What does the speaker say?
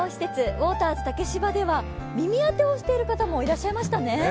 ウォーターズ竹芝では耳当てをしている方もいらっしゃいましたね。